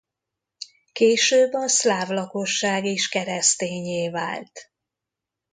Később a szláv lakosság is kereszténnyé vált.